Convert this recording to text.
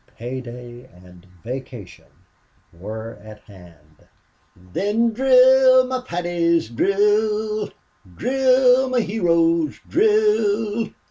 Pay day and vacation were at hand! "Then drill, my Paddies, drill! Drill, my heroes, drill!